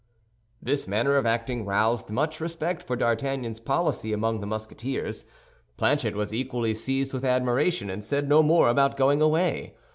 This manner of acting roused much respect for D'Artagnan's policy among the Musketeers. Planchet was equally seized with admiration, and said no more about going away.